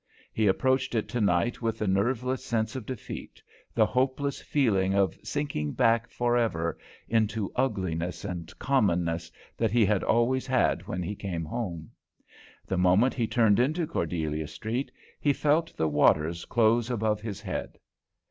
He approached it tonight with the nerveless sense of defeat, the hopeless feeling of sinking back forever into ugliness and commonness that he had always had when he came home. The moment he turned into Cordelia Street he felt the waters close above his head.